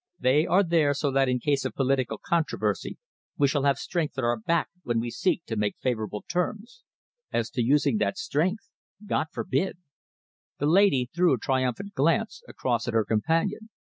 They are there so that in case of political controversy we shall have strength at our back when we seek to make favourable terms. As to using that strength, God forbid!" The little lady threw a triumphant glance across at her companion.